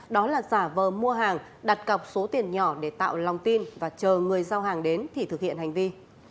đó là giả vờ mua hàng đặt cọc số tiền nhỏ để tạo lòng tin và chờ người giao hàng đến thì thực hiện hành vi